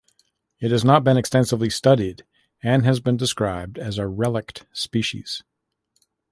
It has not been extensively studied and has been described a relict species.